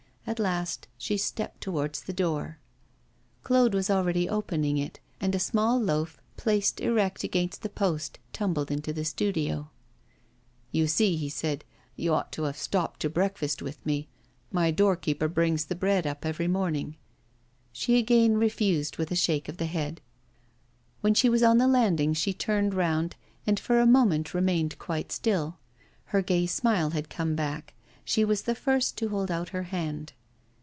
At last she stepped towards the door. Claude was already opening it, and a small loaf placed erect against the post tumbled into the studio. 'You see,' he said, 'you ought to have stopped to breakfast with me. My doorkeeper brings the bread up every morning.' She again refused with a shake of the head. When she was on the landing she turned round, and for a moment remained quite still. Her gay smile had come back; she was the first to hold out her hand.